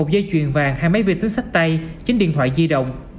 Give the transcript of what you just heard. một dây chuyền vàng hai máy vi tính sách tay chín điện thoại di động